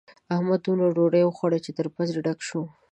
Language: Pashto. احمد دومره ډوډۍ وخوړه چې تر پزې ډک شو.